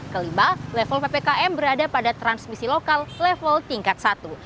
kelima level ppkm berada pada transmisi lokal level tingkat satu